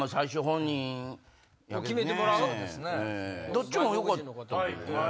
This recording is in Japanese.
どっちもよかったけどね。